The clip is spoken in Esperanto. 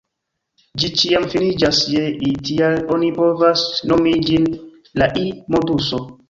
Ĝi ĉiam finiĝas je -i, tial oni povas nomi ĝin „la i-moduso.